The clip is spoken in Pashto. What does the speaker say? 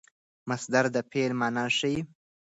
مصدر د فعل مانا ښيي.